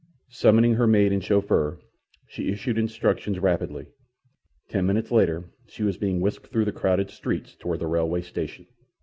Summoning her maid and chauffeur, she issued instructions rapidly. Ten minutes later she was being whisked through the crowded streets toward the railway station.